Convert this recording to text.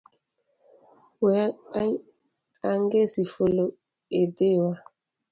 We angesi fulu idhiwa